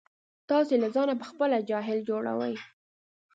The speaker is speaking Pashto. تاسې له ځانه په خپله جاهل جوړوئ.